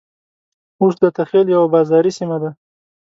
اوس دته خېل يوه بازاري سيمه ده.